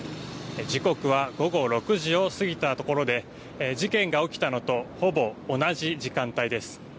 時刻は午後６時を過ぎたところで事件が起きたのとほぼ同じ時間帯です。